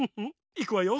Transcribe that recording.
いくわよ。